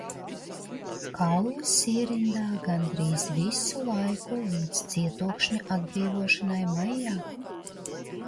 Kaujas ierindā gandrīz visu laiku līdz cietokšņa atbrīvošanai maijā.